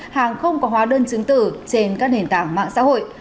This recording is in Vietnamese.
hàng không có hóa đơn chứng tử trên các nền tảng mạng xã hội